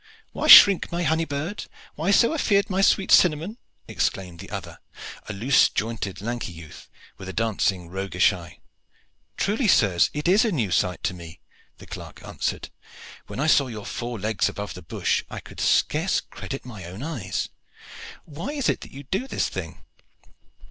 "Why shrink, my honey bird? Why so afeard, my sweet cinnamon?" exclaimed the other, a loose jointed lanky youth with a dancing, roguish eye. "Truly, sirs, it is a new sight to me," the clerk answered. "When I saw your four legs above the bush I could scarce credit my own eyes. Why is it that you do this thing?"